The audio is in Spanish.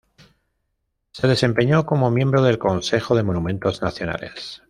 Se desempeñó como miembro del Consejo de Monumentos Nacionales.